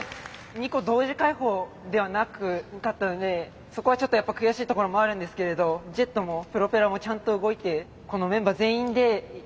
２個同時開放ではなかったのでそこはちょっとやっぱ悔しいところもあるんですけれどジェットもプロペラもちゃんと動いてこのメンバー全員でやりきれたかなと。